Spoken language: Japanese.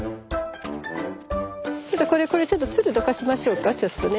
ちょっとこれつるどかしましょうかちょっとね。